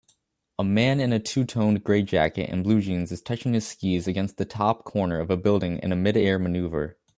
A man in a twotoned gray jacket and blue jeans is touching his skis against the top corner of a building in a midair maneuver